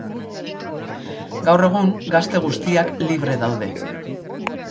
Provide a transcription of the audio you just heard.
Gaur egun, gazte guztiak libre daude.